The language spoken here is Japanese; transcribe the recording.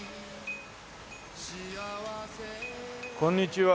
こんにちは。